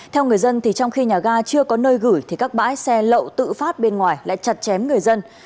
theo người dân thì trong khi nhà ga chưa có nơi gửi thì các bãi xe lậu tự phát bên ngoài lại chặt chém người dân